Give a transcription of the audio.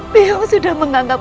biung sudah menganggap